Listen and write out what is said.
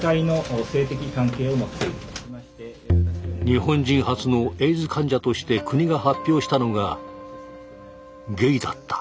日本人初のエイズ患者として国が発表したのがゲイだった。